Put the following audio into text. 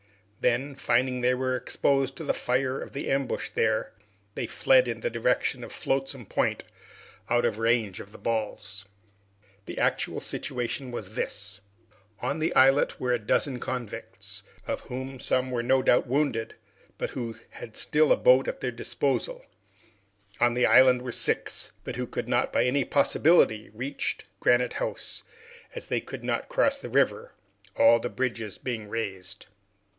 Then, finding they were exposed to the fire of the ambush there, they fled in the direction of Flotsam Point, out of range of the balls. The actual situation was this: on the islet were a dozen convicts, of whom some were no doubt wounded, but who had still a boat at their disposal; on the island were six, but who could not by any possibility reach Granite House, as they could not cross the river, all the bridges being raised.